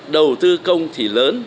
đầu tư công thì lớn